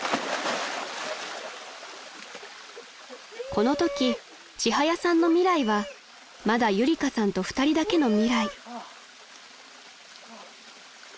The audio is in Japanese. ［このときちはやさんの未来はまだゆりかさんと２人だけの未来］